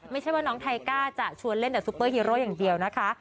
ไม่ใช่ว่าน้องไทก้าจะชวนเล่นแต่ซูเปอร์ฮีโร่อย่างเดียวนะคะ